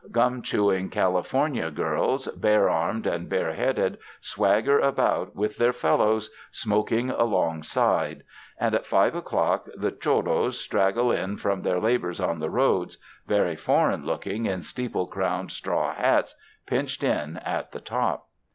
Gum chew ing California girls, bare armed and bare headed, swagger about, with their "fellows" smoking along side; and at five o'clock the cholos straggle in from their labors on the roads, very foreign looking in steeple crowned straw hats pinched in at the top.